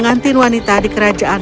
jikaada penggunaannya dan dia menanggung